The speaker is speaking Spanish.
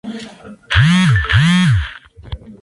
Ocupó el puesto No.